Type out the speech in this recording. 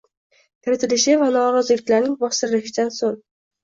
kiritilishi va noroziliklarning bostirilishidan so‘ng